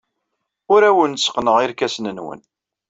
Ur awen-tteqqneɣ irkasen-nwen.